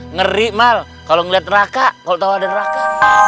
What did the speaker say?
ngeri mal kalo ngeliat neraka kalo tau ada neraka